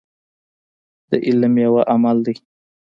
د علم ميوه عمل دی.